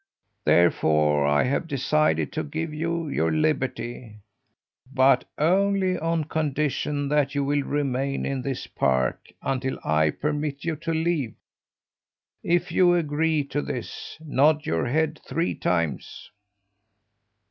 Therefore I have decided to give you your liberty but only on condition that you will remain in this park until I permit you to leave. If you agree to this, nod your head three times."